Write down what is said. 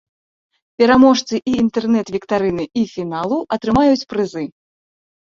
Пераможцы і інтэрнэт-віктарыны, і фіналу атрымаюць прызы.